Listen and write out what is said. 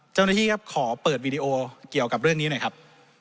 เจ้าหน้าที่ครับขอเปิดวีดีโอเกี่ยวกับเรื่องนี้หน่อยครับ